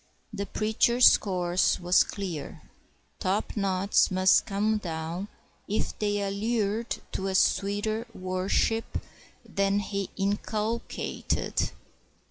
The preacher's course was clear. Topknots must come down if they allured to a sweeter worship than he inculcated.